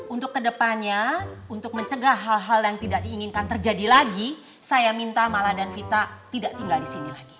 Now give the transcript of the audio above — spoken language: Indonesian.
untuk kedepannya untuk mencegah hal hal yang tidak diinginkan terjadi lagi saya minta mala dan vita tidak tinggal di sini lagi